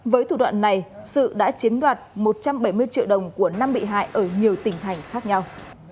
với thủ đoạn này sự đã chiếm đoạt một trăm bảy mươi triệu đồng của năm bị hại ở nhiều tỉnh thành khác nhau